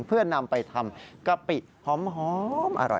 เพื่อนำไปทำกะปิหอมอร่อย